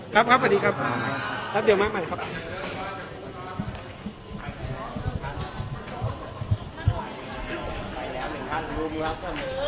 ครับครับสวัสดีครับแป๊บเดียวมาใหม่ครับ